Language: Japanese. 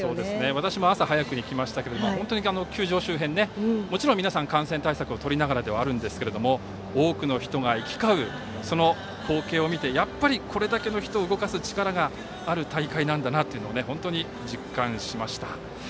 私も朝早くに来ましたが球場周辺皆さん、感染対策を取りながら多くの人が行き交っていてその光景を見てやっぱりこれだけの人を動かす力がある大会なんだというのを本当に実感しました。